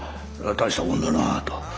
大したものだなあと。